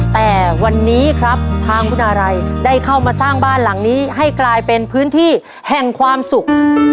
แต่วันนี้ครับทางคุณอารัยได้เข้ามาสร้างบ้านหลังนี้ให้กลายเป็นพื้นที่แห่งความสุข